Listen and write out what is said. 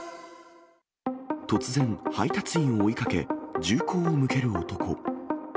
突然、配達員を追いかけ、銃口を向ける男。